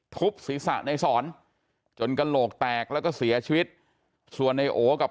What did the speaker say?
ทุบศีรษะในสอนจนกระโหลกแตกแล้วก็เสียชีวิตส่วนในโอกับ